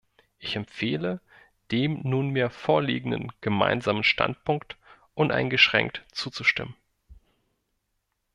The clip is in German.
Ich empfehle, dem nunmehr vorliegenden Gemeinsamen Standpunkt uneingeschränkt zuzustimmen.